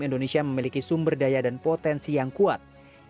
indonesia memiliki sumber daya dan potensi yang kuat